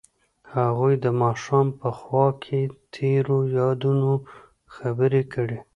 هغوی د ماښام په خوا کې تیرو یادونو خبرې کړې.